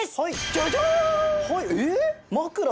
ジャジャーン！